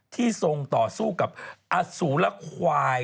ทรงต่อสู้กับอสูรควาย